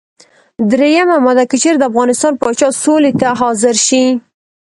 دریمه ماده: که چېرې د افغانستان پاچا سولې ته حاضر شي.